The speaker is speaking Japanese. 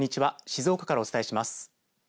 静岡からお伝えします。